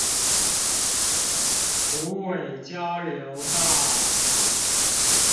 虎尾交流道